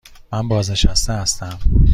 من بازنشسته هستم.